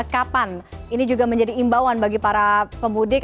kapan ini juga menjadi imbauan bagi para pemudik